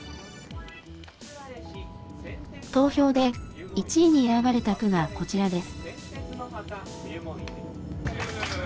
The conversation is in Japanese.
投票で１位に選ばれた句がこちらです。